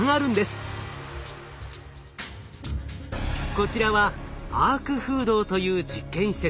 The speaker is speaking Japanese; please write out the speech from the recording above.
こちらはアーク風洞という実験施設。